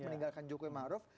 meninggalkan jokowi maruf